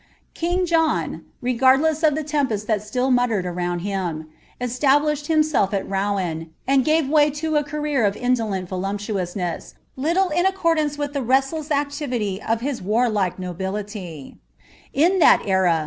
King John, regardless of the tempest tliat still mutterfid sroDnd htBi established himself at Rouen, and gave way to a career of inilolat v» luptuouanese, little in accordance with the restless activity of liia nobility. In that era.